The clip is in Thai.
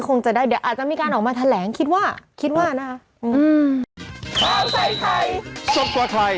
อืมอืมอืมอืมอืม